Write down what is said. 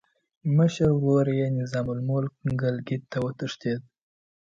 مشر ورور یې نظام الملک ګیلګیت ته وتښتېد.